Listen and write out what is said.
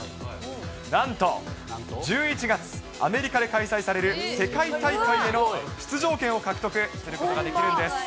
なんと、１１月、アメリカで開催される世界大会への出場権を獲得することができるんです。